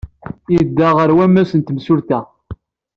Yedda ɣer wammas n temsulta.